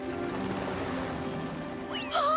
あ！